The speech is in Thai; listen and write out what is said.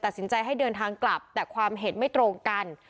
สินให้เดินทางกลับแต่ความเห็นไม่ตรงกัน